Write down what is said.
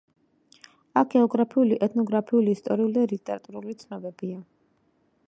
აქ გეოგრაფიული, ეთნოგრაფიული, ისტორიული და ლიტერატურული ცნობებია.